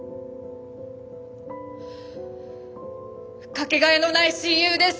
掛けがえのない親友です！